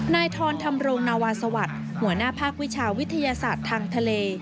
ทรธรรมรงนาวาสวัสดิ์หัวหน้าภาควิชาวิทยาศาสตร์ทางทะเล